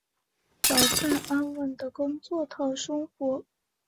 找份安稳的工作讨生活